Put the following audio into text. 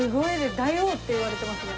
大王って言われてますね。